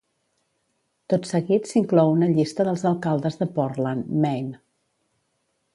Tot seguit s'inclou una llista dels alcaldes de Portland, Maine.